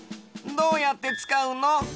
どうやってつかうの？